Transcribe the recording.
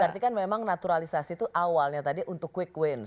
berarti kan memang naturalisasi itu awalnya tadi untuk quick wins